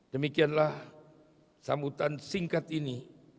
demikianlah sambutan singkat ini